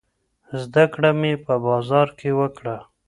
زده کړه مې په بازار کې وکړه.